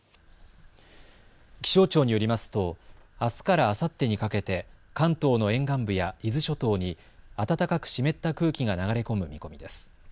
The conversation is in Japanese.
気象庁によりますとあすからあさってにかけて関東の沿岸部や伊豆諸島に暖かく湿った空気が流れ込む見込みです。